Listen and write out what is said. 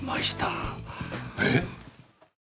えっ？